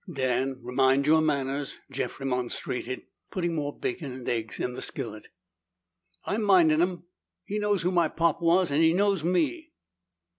"Dan, mind your manners!" Jeff remonstrated, putting more bacon and eggs in the skillet. "I'm minding them! He knows who my pop was and he knows me!"